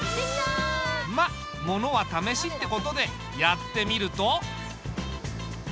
まあ物は試しってことでやってみると。